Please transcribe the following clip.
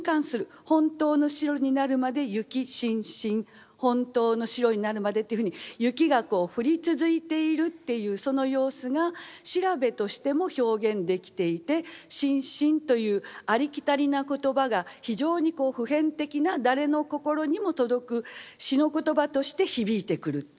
「ほんたうの白になるまで雪しんしん」「ほんたうの白になるまで」っていうふうに雪が降り続いているっていうその様子が調べとしても表現できていて「しんしん」というありきたりな言葉が非常に普遍的な誰の心にも届く詩の言葉として響いてくるっていうね。